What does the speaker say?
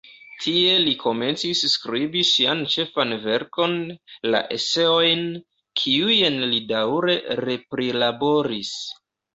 Tie li komencis skribi sian ĉefan verkon, la "Eseojn", kiujn li daŭre re-prilaboris.